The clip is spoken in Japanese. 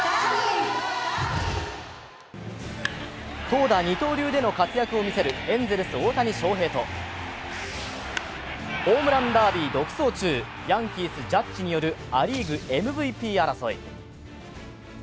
投打二刀流での活躍を見せるエンゼルス・大谷翔平とホームランダービー独走中、ヤンキース・ジャッジによるア・リーグＭＶＰ争い。